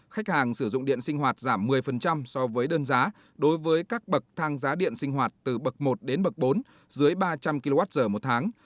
khách hàng sử dụng điện sinh hoạt giảm một mươi so với đơn giá đối với các bậc thang giá điện sinh hoạt từ bậc một đến bậc bốn dưới ba trăm linh kwh một tháng